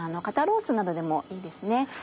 肩ロースなどでもいいですね。